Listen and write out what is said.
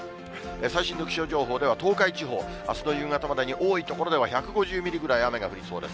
最新の気象情報では東海地方、あすの夕方までに多い所では１５０ミリぐらい雨が降りそうです。